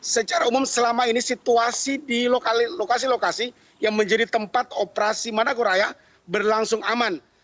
secara umum selama ini situasi di lokasi lokasi yang menjadi tempat operasi managoraya berlangsung aman